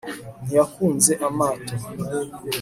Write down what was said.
Ntiyankunze amato